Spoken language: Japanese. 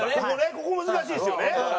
ここ難しいですよね。